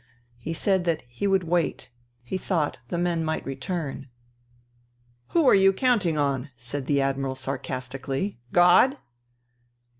He said that he would wait ; he thought the men might return. " Who are you counting on," said the Admiral sarcastically, " God